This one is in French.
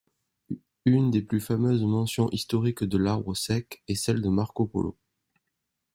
Une des plus fameuses mentions historiques de l'arbre sec est celle de Marco Polo.